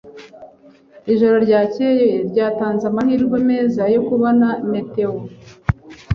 Ijoro ryakeye ryatanze amahirwe meza yo kubona meteo.